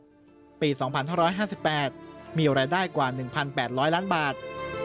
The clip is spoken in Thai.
หลายห้าสิบแปดมีโอรายได้กว่าหนึ่งพันแปดร้อยล้านบาท